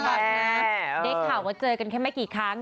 ดิฉุค่ะว่าเจอกันแค่ไม่กี่ครั้ง